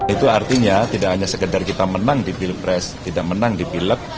itu artinya tidak hanya sekedar kita menang di pilpres tidak menang di pilek